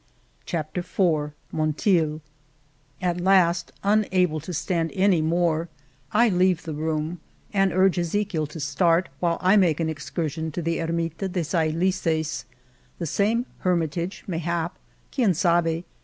Oh / dura tellus Iberice / At last, unable to stand any more, I leave the room and urge Ezechiel to start while I make an excursion to the Ermita de Saelices, the same Hermitage mayhap, quien sabe